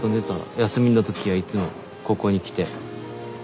休みの時はいつもここに来て。